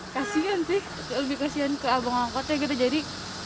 kasian sih lebih kasihan ke abang angkotnya gitu jadi